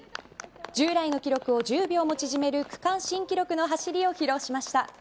従来の記録を１０秒も縮める区間新記録の走りを披露しました。